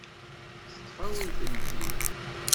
Teṭṭef-awen-tent-id.